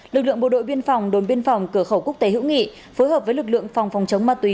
lực lượng bộ đội biên phòng đồn biên phòng cửa khẩu quốc tế hữu nghị phối hợp với lực lượng phòng phòng chống ma túy